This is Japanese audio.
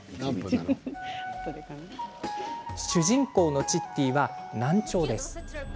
主人公のチッティは難聴。